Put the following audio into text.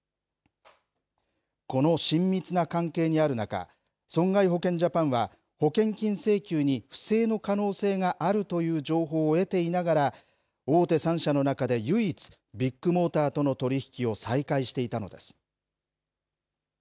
この親密な関係にある中、損害保険ジャパンは、保険金請求に不正の可能性があるという情報を得ていながら、大手３社の中で唯一、ビッグモーターとの取り引きを再開していたのです。